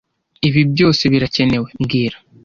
Ibi byose birakenewe mbwira